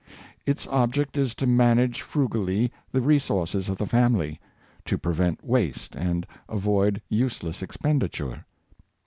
Its object is to manage frugally the resources of the family, to prevent waste, and avoid useless expenditure.